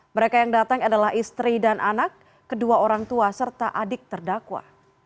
mereka yang datang adalah istri dan anak kedua orang tua serta adik terdakwa